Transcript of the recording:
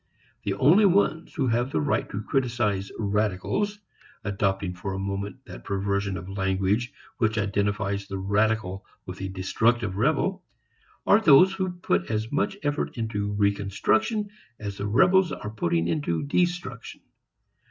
The only ones who have the right to criticize "radicals" adopting for the moment that perversion of language which identifies the radical with the destructive rebel are those who put as much effort into reconstruction as the rebels are putting into destruction.